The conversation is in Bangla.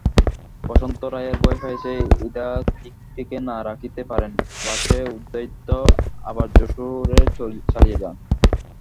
বসন্ত রায়ের ভয় পাছে উদয়াদিত্যকে না রাখিতে পারেন, পাছে উদয়াদিত্য আবার যশােহরে চলিয়া যান।